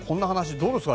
どうですか？